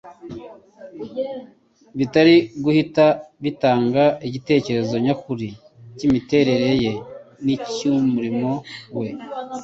bitari guhita bitanga igitekerezo nyakuri cy'imiterere ye n'icy'umurimo we.